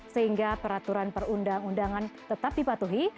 sehingga peraturan perundang undangan tetap dipatuhi